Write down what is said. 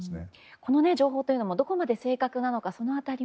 この情報というのもどこまで正確なのかも。